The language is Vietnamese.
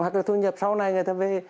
hoặc là thu nhập sau này người ta về